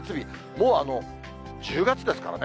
もう１０月ですからね。